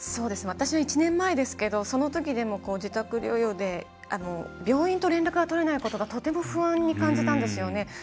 私は１年前ですけどそのときでも自宅療養で病院と連絡が取れないことがとても不安に感じたんですよね。